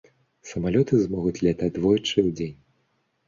Самалёты змогуць лятаць двойчы ў дзень.